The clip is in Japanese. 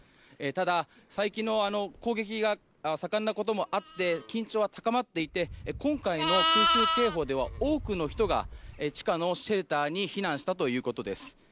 ただ、最近の攻撃が盛んなこともあって緊張は高まっていて今回の空襲警報では多くの人が地下のシェルターに避難したということです。